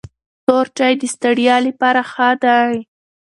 تور چای د ستړیا لپاره ښه دی.